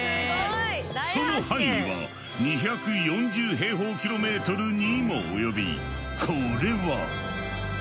その範囲は２４０平方キロメートルにも及びこれは。